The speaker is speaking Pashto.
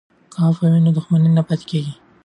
که عفوه وي نو دښمني نه پاتیږي.